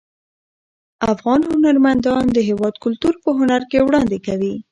افغان هنرمندان د هیواد کلتور په هنر کې وړاندې کوي.